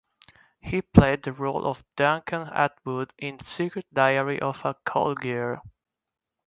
He played the role of Duncan Atwood in "Secret Diary of a Call Girl".